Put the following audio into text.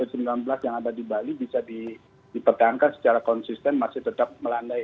covid sembilan belas yang ada di bali bisa dipertahankan secara konsisten masih tetap melandai